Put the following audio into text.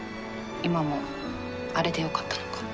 今もあれでよかったのか。